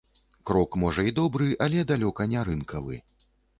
Крок, можа, і добры, але далёка не рынкавы.